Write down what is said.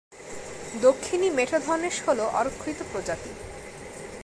দক্ষিণী মেঠো ধনেশ হল অরক্ষিত প্রজাতি।